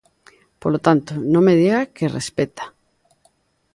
Polo tanto, non me diga que respecta.